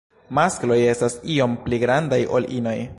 Maskloj estas iom pli grandaj ol inoj.